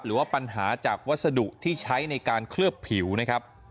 หรือว่าปัญหาจากวัสดุที่ใช้ในการเคลือบผิวนะครับ